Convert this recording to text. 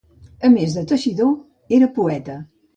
A més de teixidor, era poeta.